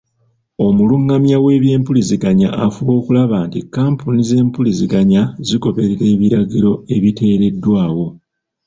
Omulungamya w'ebyempuliziganya afuba okulaba nti kampuni z'empuliziganya zigoberera ebiragiro ebiteereddwawo.